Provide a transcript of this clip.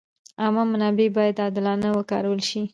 عامه منابع باید عادلانه وکارول شي.